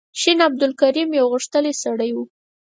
شین عبدالکریم یو غښتلی سړی و.